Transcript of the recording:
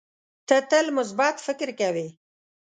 ته تل مثبت فکر کوې.